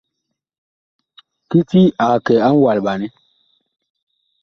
Kiti ag kɛ a ŋwalɓanɛ.